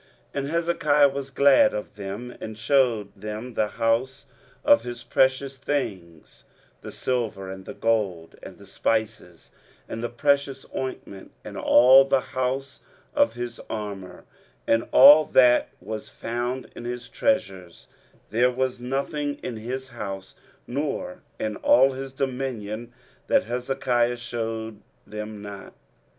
23:039:002 And Hezekiah was glad of them, and shewed them the house of his precious things, the silver, and the gold, and the spices, and the precious ointment, and all the house of his armour, and all that was found in his treasures: there was nothing in his house, nor in all his dominion, that Hezekiah shewed them not.